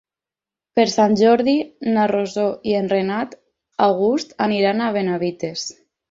Per Sant Jordi na Rosó i en Renat August aniran a Benavites.